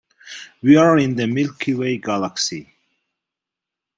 We are in the Milky Way Galaxy.